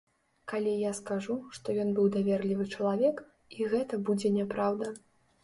Калі я скажу, што ён быў даверлівы чалавек, і гэта будзе няпраўда.